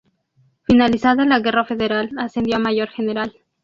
Finalizada la Guerra Federal ascendió a Mayor General.